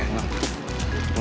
ih aku kesempolan